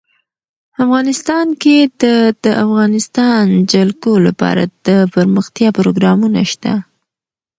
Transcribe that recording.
افغانستان کې د د افغانستان جلکو لپاره دپرمختیا پروګرامونه شته.